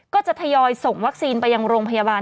ก็จะทยอยส่งวัคซีนไปยังโรงพยาบาล